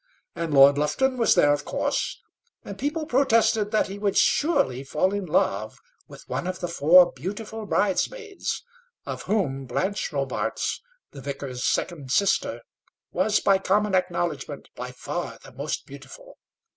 And Lord Lufton was there of course; and people protested that he would surely fall in love with one of the four beautiful bridesmaids, of whom Blanche Robarts, the vicar's second sister, was by common acknowledgment by far the most beautiful.